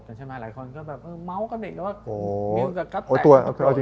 แต่ฉันแล้วนะหลายคนก็กับไม้แล้ว